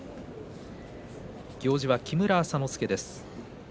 行司は木村朝之助です。